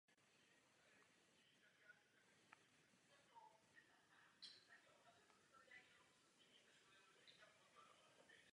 Státního tajemníka jmenuje a odvolává vláda na návrh ministra zdravotnictví.